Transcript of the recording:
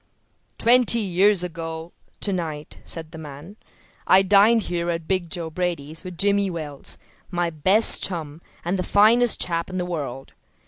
"Twenty years ago to night," said the man, "I dined here at 'Big Joe' Brady's with Jimmy Wells, my best chum, and the finest chap in the world.